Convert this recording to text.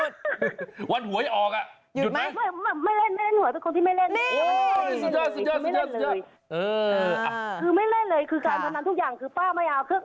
สามสิบบอโอเคไหม